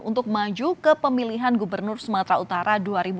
untuk maju ke pemilihan gubernur sumatera utara dua ribu dua puluh